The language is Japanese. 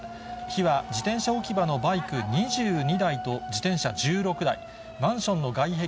火は自転車置き場のバイク２２台と自転車１６台、マンションの外壁